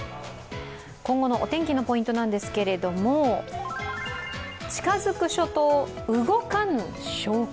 今後のお天気のポイントなんですけれども近づく初冬、動かぬ証拠。